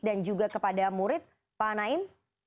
dan juga kepada murid pak naim